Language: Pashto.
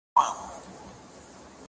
مېوې د مور له خوا وچول کيږي!.